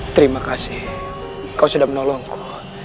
terima kasih kau sudah menolongku